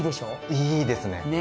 いいですね。